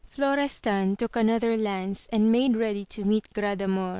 Florestan took another lance and made ready to meet Gradamor.